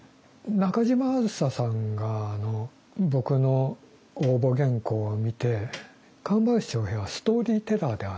中島梓さんが僕の応募原稿を見て神林長平はストーリー・テラーではないと。